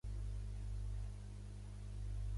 Què venen al carrer de Cervantes número vuitanta-vuit?